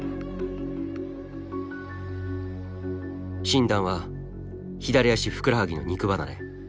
診断は左足ふくらはぎの肉離れ。